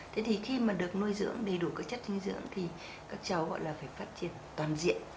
thế thì khi được nuôi dưỡng đầy đủ các chất dinh dưỡng thì các cháu phải phát triển toàn diện